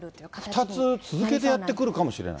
２つ続けてやって来るかもしれない？